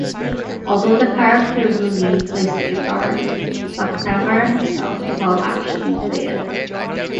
Although the character Rooney plays the guitar, McNamara himself does not actually play it.